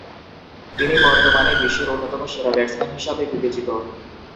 তিনি বর্তমানে বিশ্বের অন্যতম সেরা ব্যাটসম্যান হিসাবে বিবেচিত।